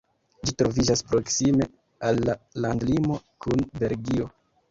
Ĝi troviĝas proksime al la landlimo kun Belgio.